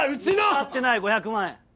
見つかってない５００万円。